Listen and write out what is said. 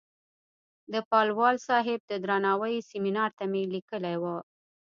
د پالوال صاحب د درناوۍ سیمینار ته مې لیکلې وه.